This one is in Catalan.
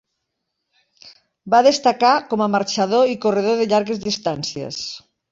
Va destacar com a marxador i corredor de llargues distàncies.